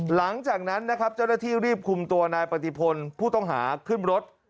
หลังจากนั้นนะครับเจ้าหน้าที่รีบคุมตัวนายปฏิพลผู้ต้องหาขึ้นรถ